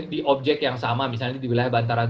di objek yang sama misalnya di wilayah bantaran